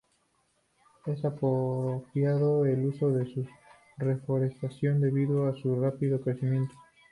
Es apropiado en el uso de la reforestación debido a su rápido crecimiento.